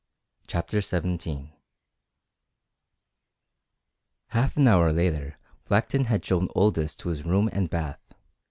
CHAPTER XVII Half an hour later Blackton had shown Aldous to his room and bath.